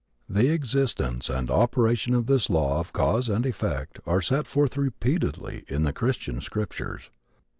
The existence and operation of this law of cause and effect are set forth repeatedly in the Christian scriptures.